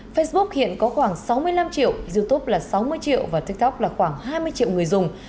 facebook hiện có khoảng sáu mươi năm triệu youtube là sáu mươi triệu và tiktok là khoảng hai mươi triệu người dùng